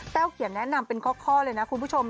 เขียนแนะนำเป็นข้อเลยนะคุณผู้ชม